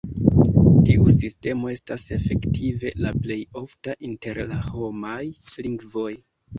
Tiu sistemo estas efektive la plej ofta inter la homaj lingvoj.